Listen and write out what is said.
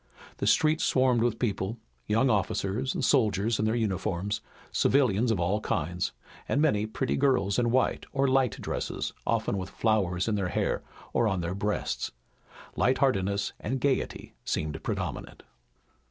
The streets swarmed with people, young officers and soldiers in their uniforms, civilians of all kinds, and many pretty girls in white or light dresses, often with flowers in their hair or on their breasts. Light heartedness and gaiety seemed predominant.